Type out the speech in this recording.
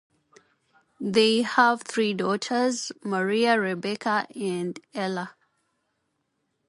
They have three daughters, Maria, Rebecca, and Ella.